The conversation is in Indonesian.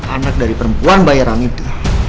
anak dari perempuan bayi rangita